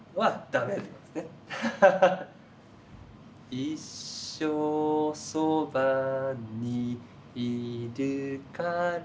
「一生そばにいるから」